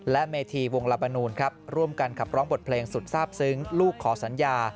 และเมธีวงลาบานูนครับร่วมกันขับร้องบทเพลงสุดทราบซึ้งลูกขอสัญญา